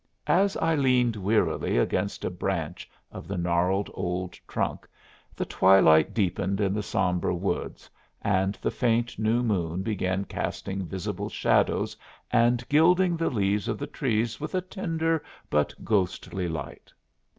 As I leaned wearily against a branch of the gnarled old trunk the twilight deepened in the somber woods and the faint new moon began casting visible shadows and gilding the leaves of the trees with a tender but ghostly light.